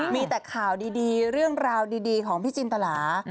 มีแต่ข่าวดีเรื่องราวดีของพี่จินตลา